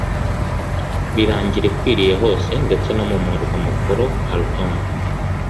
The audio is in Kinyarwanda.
birangira ikwiriye hose ndetse no mu murwa mukuru Khartoum